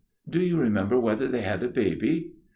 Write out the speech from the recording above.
"Do you remember whether they had a baby?"